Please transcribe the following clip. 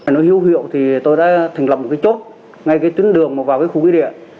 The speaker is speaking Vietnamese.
nó hưu hiệu thì tôi đã thành lập một cái chốt ngay cái tuyến đường mà vào cái khu nguyên địa